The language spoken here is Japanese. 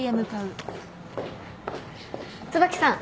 椿さん。